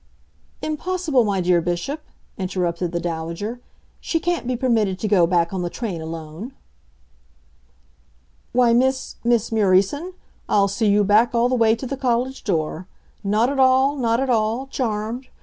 "Impossible, my dear Bishop," interrupted the Dowager. "She can't be permitted to go back on the train alone." "Why, Miss Miss Murieson, I'll see you back all the way to the college door. Not at all, not at all. Charmed.